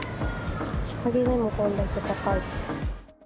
日陰でもこんだけ高いですね。